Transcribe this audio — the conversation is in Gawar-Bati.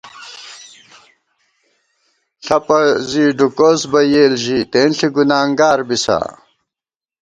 ݪَپہ زِی ڈُوکوس بہ یېل ژِی ، تېنݪی گُنانگار بِسا